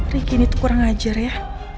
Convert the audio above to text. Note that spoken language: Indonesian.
riki kurang ajar ya